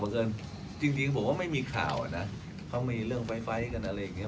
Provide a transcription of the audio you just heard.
เกินจริงผมว่าไม่มีข่าวอ่ะนะเขามีเรื่องไฟท์กันอะไรอย่างเงี้